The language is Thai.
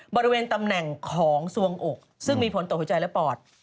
บริเวณตำแหน่งของส่วงอกซึ่งมีผลต่อหัวใจและปอด